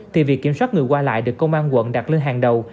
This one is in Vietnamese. thì việc kiểm soát người qua lại được công an quận đặt lên hàng đầu